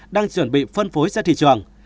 đang chuẩn bị phân phối ra thị trường